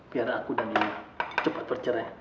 biar aku dan yang cepat bercerai